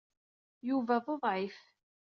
Yuba d uḍɛif.